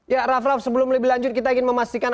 ya raff raff sebelum lebih lanjut kita ingin memastikan